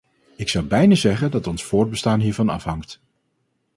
Ik zou bijna zeggen dat ons voortbestaan hiervan afhangt.